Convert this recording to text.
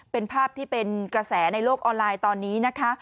เป็นภาพที่เป็นกระแสในโลกออนไลน์ตอนนี้นะคะ